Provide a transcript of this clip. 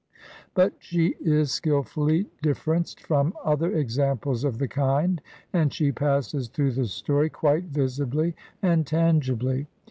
But she is skilfully differenced from other examples of the kind, and she passes through the story quite visibly and tangibly.